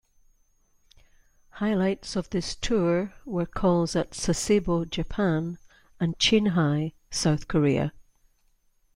Highlights of this tour were calls at Sasebo, Japan, and Chinhae, South Korea.